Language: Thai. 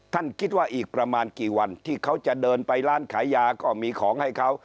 คิดว่าอีกประมาณกี่วันที่เขาจะเดินไปร้านขายยาก็มีของให้เขา